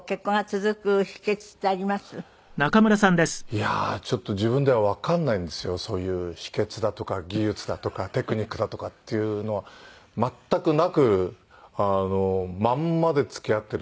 いやあちょっと自分ではわかんないんですよそういう秘訣だとか技術だとかテクニックだとかっていうのは全くなくあのまんまで付き合ってるんで。